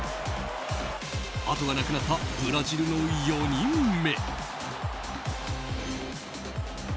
あとがなくなったブラジルの４人目。